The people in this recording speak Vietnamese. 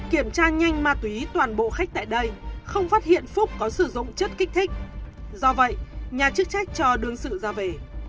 kiểm tra nhanh ma túy toàn bộ khách tại đây không phát hiện phúc có sử dụng chất kích thích do vậy nhà chức trách cho đương sự ra về